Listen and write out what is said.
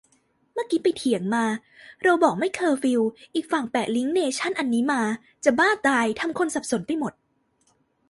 เมื่อกี้ไปเถียงมา เราบอกไม่เคอร์ฟิว อีกฝั่งแปะลิงก์เนชั่นอันนี้มา จะบ้าตาย ทำคนสับสน